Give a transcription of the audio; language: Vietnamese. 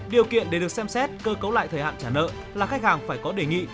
điều kiện để được xem xét cơ cấu lại thời hạn trả nợ là khách hàng phải có đề nghị